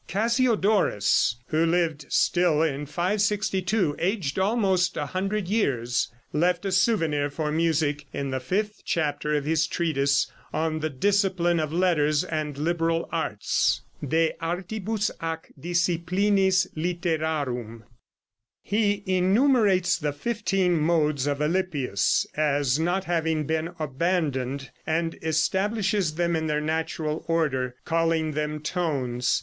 Cassiodorus, who lived still in 562, aged almost 100 years, left a souvenir for music in the fifth chapter of his treatise on the "Discipline of Letters and Liberal Arts" (De Artibus ac Disciplinis Litterarum). He enumerates the fifteen modes of Alypius as not having been abandoned, and establishes them in their natural order, calling them tones.